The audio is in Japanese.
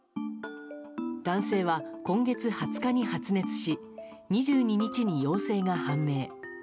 男性は今月２０日に発熱し２２日に陽性が判明。